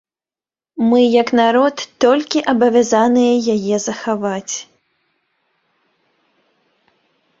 Мы як народ толькі абавязаныя яе захаваць.